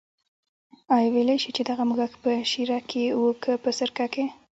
آیا ویلای شې چې دغه موږک په شېره کې و که په سرکه کې.